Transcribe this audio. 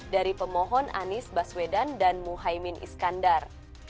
dari pemohon anies baswedan dan muhaymin iskandar